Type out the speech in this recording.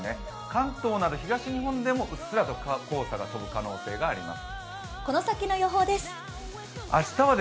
関東など東日本でもうっすらと黄砂が飛ぶ可能性があります。